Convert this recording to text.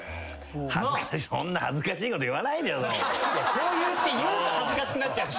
そうやって言うと恥ずかしくなっちゃう。